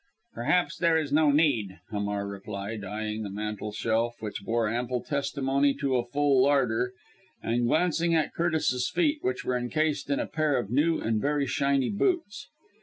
"Perhaps there is no need," Hamar replied, eyeing the mantelshelf which bore ample testimony to a full larder, and glancing at Curtis's feet which were encased in a pair of new and very shiny boots.